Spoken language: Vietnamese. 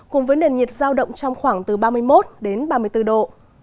cùng với nền nhiệt giao động trong khoảng từ ba mươi một đến ba mươi bốn độ